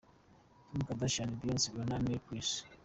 Kim Kardashian, Beyonce, Rihanna, Miley Cyrus,.